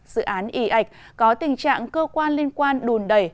dự án y ảnh có tình trạng cơ quan liên quan đùn đẩy